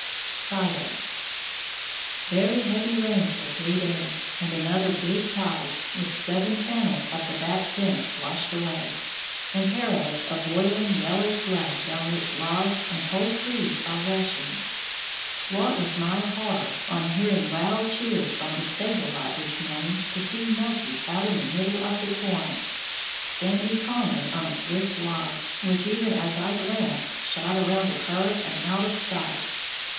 Friday. Very heavy rains for three days, and another big "tide," with seven panels of the back fence washed away, and Perilous a boiling yellow flood down which logs and whole trees are rushing. What was my horror, on hearing loud cheers from the stable lot this morning, to see Nucky out in the middle of the torrent, standing calmly on a swift log, which even as I glanced, shot around a curve and out of sight.